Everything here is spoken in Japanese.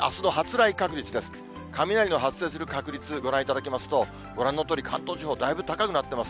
雷の発生する確率、ご覧いただきますと、ご覧のとおり、関東地方、だいぶ高くなっています。